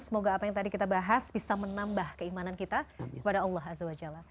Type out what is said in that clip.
semoga apa yang tadi kita bahas bisa menambah keimanan kita kepada allah azawajala